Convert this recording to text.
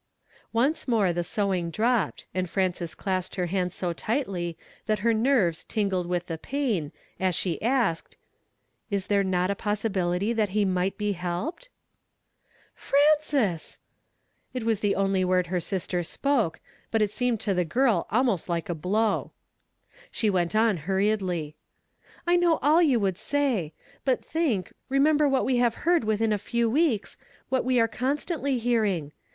Once more the sewing dropped, and Frances clasped her hands so tightly that her nerves tingled with the piiin, as she asked, — "Is there not a possibility that he might be helped ?" "Frances!" It was the only word her sister spoke, but it seemed to the girl almost like a blow. •7 f "WE HAVE HEARD THE FAME OF HIM." 13 She went on hurriedly, "I know all you would say; but think, remem ber what we have heard within a few weeks, what we are eonstontly hearing.